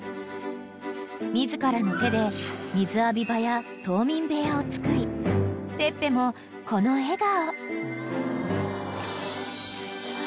［自らの手で水浴び場や冬眠部屋を作りペッペもこの笑顔］